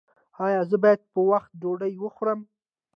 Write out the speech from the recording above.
ایا زه باید په وخت ډوډۍ وخورم؟